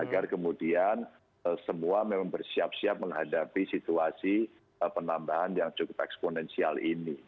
agar kemudian semua memang bersiap siap menghadapi situasi penambahan yang cukup eksponensial ini